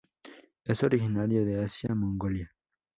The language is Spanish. Es originario de Asia, Mongolia.